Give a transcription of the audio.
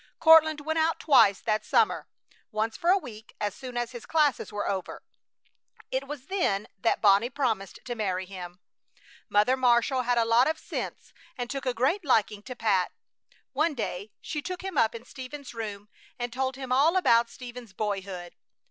Courtland went out twice that summer, once for a week as soon as his classes were over. It was then that Bonnie promised to marry him. Mother Marshall had a lot of sense and took a great liking to Pat. One day she took him up in Stephen's room and told him all about Stephen's boyhood.